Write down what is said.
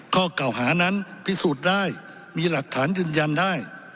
ข้อเก่าหานั้นพิสูจน์ได้มีหลักฐานยืนยันได้